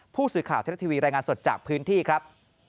ผู้สื่อข่าวไทยรัฐทีวีรายงานสดจากพื้นที่ครับ